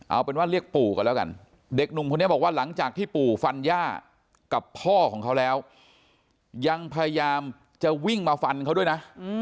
เอาเป็นว่าเรียกปู่กันแล้วกันเด็กหนุ่มคนนี้บอกว่าหลังจากที่ปู่ฟันย่ากับพ่อของเขาแล้วยังพยายามจะวิ่งมาฟันเขาด้วยนะ